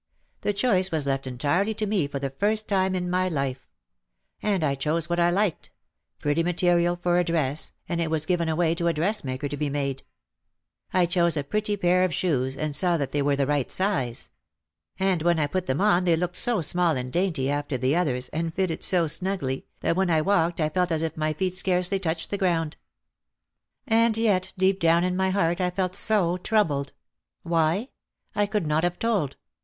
The choice was left entirely to me for the first time in my life. And I chose what I liked, pretty material for a dress and it was given away to a dressmaker to be made. I chose a pretty pair of shoes and saw that they were the right size. And when I put them on they looked so small and dainty after the others, and fitted so snugly, that when I walked I felt as if my feet scarcely touched the ground. And yet deep down in my heart I felt so troubled. Why? I could not have told.